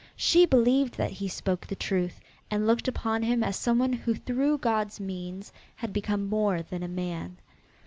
She believed that he spoke the truth, and looked upon him as some one who through God's means had become more than a man.